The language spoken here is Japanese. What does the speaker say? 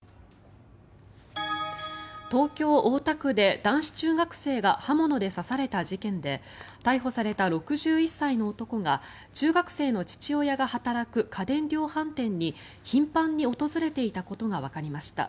東京・大田区で男子中学生が刃物で刺された事件で逮捕された６１歳の男が中学生の父親が働く家電量販店に頻繁に訪れていたことがわかりました。